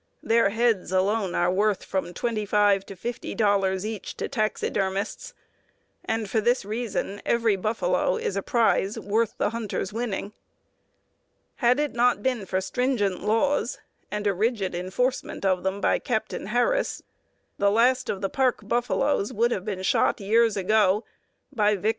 Their heads alone are worth from $25 to $50 each to taxidermists, and for this reason every buffalo is a prize worth the hunter's winning. Had it not been for stringent laws, and a rigid enforcement of them by Captain Harris, the last of the Park buffaloes would have been shot years ago by Vic.